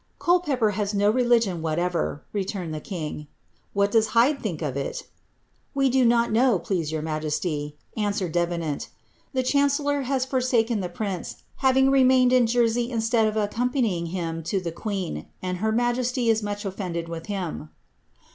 Colepeppcr has no reli<;ion whatever," returned the kini^; ^^ what does Hyde think of it r^' ^^ We do not know, please your majesty," answered Davenant; ^the chancellor has fonMkea ihc prince, having remained in Jersey instead of accompanyinr hin to the i|ueen, and her majesty is much oficnded with him."